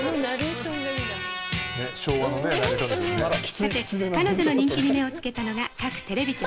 「さて彼女の人気に目をつけたのが各テレビ局」